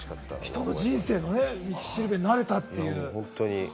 人の人生の道しるべになれたという。